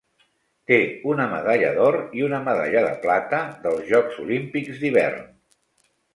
Té una medalla d'or i una medalla de plata dels Jocs Olímpics d'hivern.